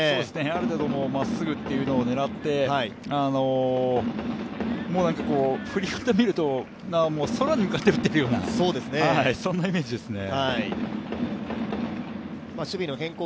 ある程度、まっすぐというのを狙って、振り方を見ると空に向かって打っているようなイメージですね。